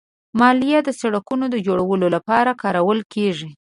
مالیه د سړکونو جوړولو لپاره کارول کېږي.